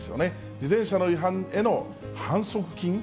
自転車の違反への反則金？